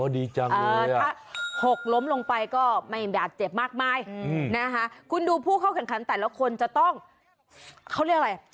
ดีจังถ้าหกล้มลงไปก็ไม่บาดเจ็บมากมายนะคะคุณดูผู้เข้าแข่งขันแต่ละคนจะต้องเขาเรียกอะไร